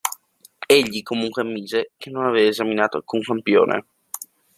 Egli comunque ammise che non aveva esaminato alcun campione.